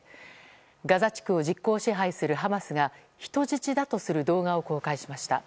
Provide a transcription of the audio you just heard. ガザ地区を実効支配するハマスが人質だとする動画を公開しました。